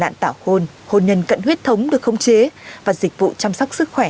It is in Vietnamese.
nạn tảo hôn hôn nhân cận huyết thống được khống chế và dịch vụ chăm sóc sức khỏe